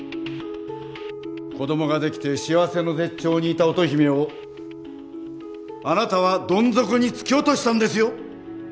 子どもができて幸せの絶頂にいた乙姫をあなたはどん底に突き落としたんですよ。